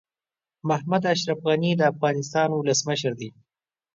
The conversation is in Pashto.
محمد اشرف غني د افغانستان ولسمشر دي.